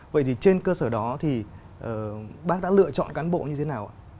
vậy thì trên cơ sở đó thì bác đã lựa chọn cán bộ như thế nào ạ